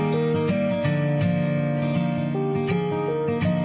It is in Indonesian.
terima kasih udah nonton